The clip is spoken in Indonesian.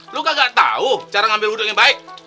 lu kan gak tau cara ngambil wuduk yang baik